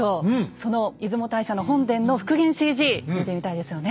その出雲大社の本殿の復元ＣＧ見てみたいですよね。